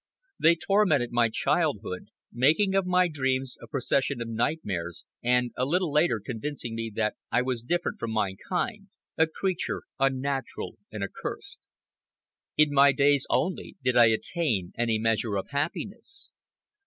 They tormented my childhood, making of my dreams a procession of nightmares and a little later convincing me that I was different from my kind, a creature unnatural and accursed. In my days only did I attain any measure of happiness.